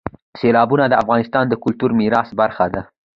سیلابونه د افغانستان د کلتوري میراث برخه ده.